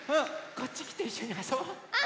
こっちきていっしょにあそぼう！